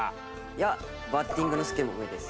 いやバッティングのスキルも上です。